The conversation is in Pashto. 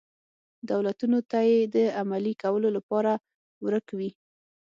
دولتونو ته یې د عملي کولو لپاره ورک وي.